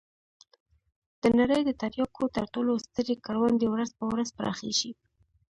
د نړۍ د تریاکو تر ټولو سترې کروندې ورځ په ورځ پراخېږي.